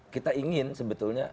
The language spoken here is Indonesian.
kita ingin sebetulnya